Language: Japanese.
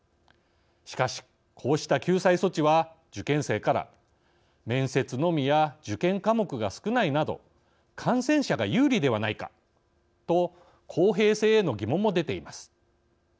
しかしこうした救済措置は受験生から面接のみや受験科目が少ないなど感染者が有利ではないかと公平性への疑問も出ています。